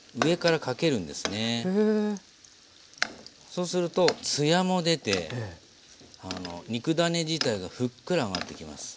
そうするとツヤも出て肉ダネ自体がふっくら上がってきます。